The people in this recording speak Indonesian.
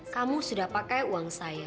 kamu sudah pakai uang saya